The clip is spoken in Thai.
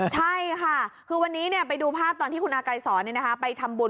ใช่ค่ะคือวันนี้ไปดูภาพตอนที่คุณอากายสอนไปทำบุญ